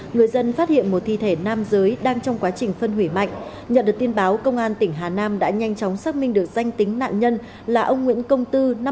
người dân phát hiện một thi thể nam giới đang trong quá trình phân hủy mạnh nhận được tin báo công an tỉnh hà nam đã nhanh chóng xác minh được danh tính nạn nhân là ông nguyễn công tư